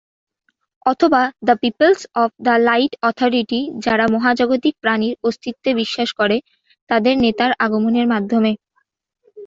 অথবা the peoples of the light authority যারা মহাজাগতিক প্রাণীর অস্তিত্বে বিশ্বাস করে তাদের নেতার আগমনের মাধ্যমে।